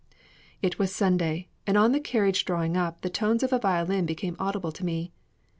It was Sunday, and on the carriage drawing up, the tones of a violin became audible to me.